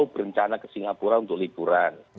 berencana ke singapura untuk liburan